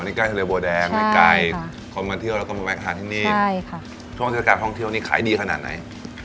นี่ใกล้ทะเลบัวแดงไม่ไกลคนมาเที่ยวแล้วก็มาแวะทานที่นี่ใช่ค่ะช่วงเทศกาลท่องเที่ยวนี่ขายดีขนาดไหน